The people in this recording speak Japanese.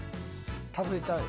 食べたい。